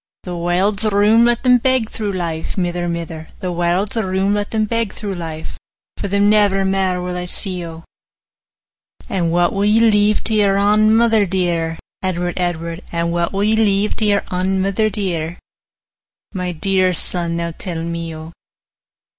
'The warld's room: let them beg through life, 45 Mither, mither; The warld's room: let them beg through life; For them never mair will I see, O.' 'And what will ye leave to your ain mither dear, Edward, Edward? 50 And what will ye leave to your ain mither dear, My dear son, now tell me, O?